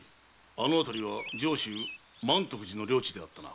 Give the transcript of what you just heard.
あの辺りは上州満徳寺の領地であったな？